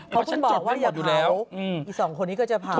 เพราะผมบอกว่าอย่าเผาอีก๒คนนี้ก็จะเผา